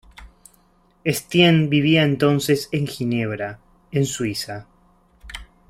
Estienne vivía entonces en Ginebra, en Suiza.